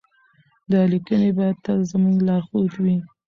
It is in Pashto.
دا لیکنې به تل زموږ لارښود وي.